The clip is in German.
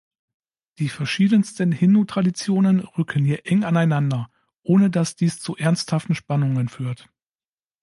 Die verschiedensten Hindu-Traditionen rücken hier eng aneinander, ohne dass dies zu ernsthaften Spannungen führt.